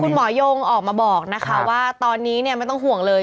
หมอยงออกมาบอกนะคะว่าตอนนี้ไม่ต้องห่วงเลย